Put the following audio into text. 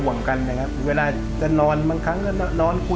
แล้ววันนี้ไม่ได้กลับบ้านมือเปล่าคุณพี่ปู